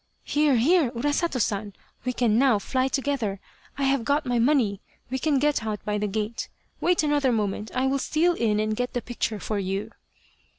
" Here, here, Urasato San, we can now fly together I have got my money we can get out by the gate. Wait another moment, I will steal in and get the picture for you."